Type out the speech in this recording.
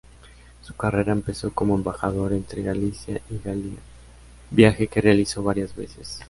Su carrera empezó como embajador entre Galicia y Galia, viaje que realizó varias veces.